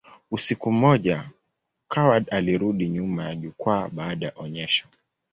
Usiku mmoja, Coward alirudi nyuma ya jukwaa baada ya onyesho.